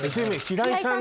平井さん。